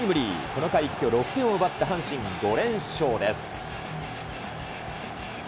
この回一挙６点を奪った阪神、５連勝です。